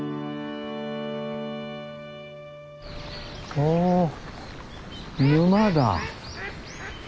おお沼だ。